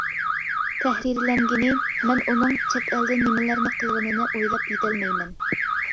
تەھرىرلەنگىنى: مەن ئۇنىڭ چەت ئەلدە نېمىلەرنى قىلغىنىنى ئويلاپ يېتەلمەيمەن.